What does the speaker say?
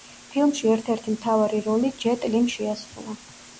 ფილმში ერთ-ერთი მთავარი როლი ჯეტ ლიმ შეასრულა.